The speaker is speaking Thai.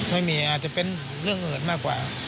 ไม่มีอาจจะเป็นเรื่องอื่นมากกว่า